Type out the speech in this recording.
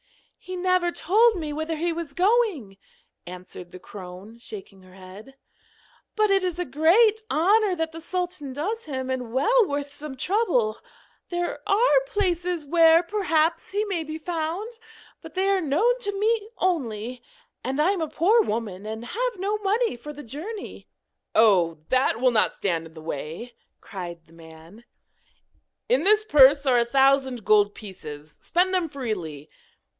'He never told me whither he was going,' answered the crone, shaking her head. 'But it is a great honour that the sultan does him, and well worth some trouble. There are places where, perhaps, he may be found, but they are known to me only, and I am a poor woman and have no money for the journey.' 'Oh! that will not stand in the way,' cried the man. 'In this purse are a thousand gold pieces; spend them freely.